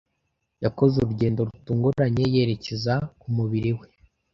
Yakoze urugendo rutunguranye yerekeza ku mubiri we,